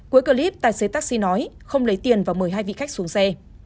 cuối clip tài xế taxi nói không lấy tiền và mời hai vị khách xuống xe